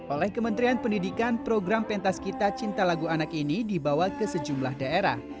oleh kementerian pendidikan program pentas kita cinta lagu anak ini dibawa ke sejumlah daerah